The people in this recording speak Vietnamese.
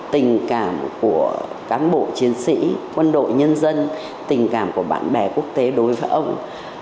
tình cảm của cán bộ chiến sĩ quân đội nhân dân tình cảm của bạn bè quốc tế đối với ông